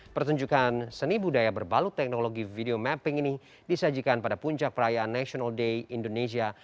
pertunjukan seni budaya berbalut teknologi video mapping ini disajikan pada puncak perayaan national day indonesia